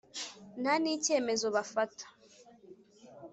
Nta n icyemezo bafata